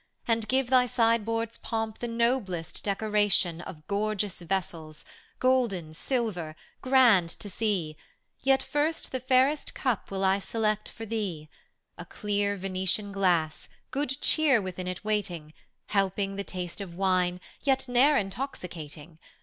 And give thy sideboard's pomp the noblest decoration Of gorgeous vessels, golden, silver, grand to see; Yet first the fairest cup will I select for thee, — A rlear Venetian glass, good cheer within it waiting, Helping the taste of wine, yet ne'er intoxicating.